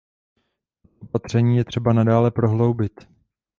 Tato opatření je třeba nadále prohloubit.